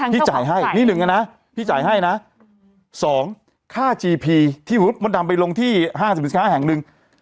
จ่ายให้นี่หนึ่งนะพี่จ่ายให้นะสองค่าจีพีที่มดดำไปลงที่ห้างสรรพสินค้าแห่งหนึ่ง